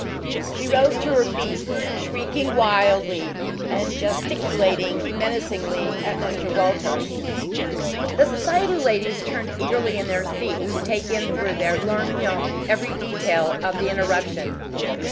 She rose to her feet, shrieking wildly, and gesticulating menacingly at Mr. Walters. The Society ladies turned eagerly in their seats to take in through their lorgnons every detail of the interruption.